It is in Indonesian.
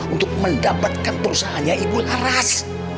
untuk mendapatkan perusahaannya ibu laras